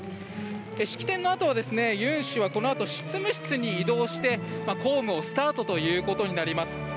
式典のあとは尹氏はこのあと執務室に移動して公務をスタートということになります。